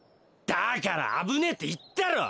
だからあぶねえっていったろ！